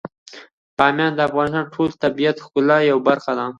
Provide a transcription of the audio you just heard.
بامیان د افغانستان د ټول طبیعت د ښکلا یوه برخه ده.